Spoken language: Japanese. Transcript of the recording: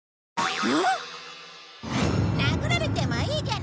殴られてもいいじゃないか！